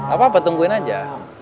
apa apa tungguin aja